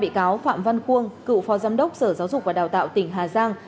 hai bị cáo phạm văn quang cựu phó giám đốc sở giáo dục và đào tạo tỉnh hà giang